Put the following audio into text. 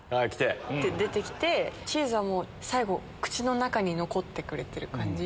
って出て来てチーズは最後口の中に残ってくれてる感じ。